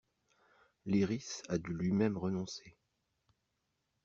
Lyrisse a dû lui-même renoncer.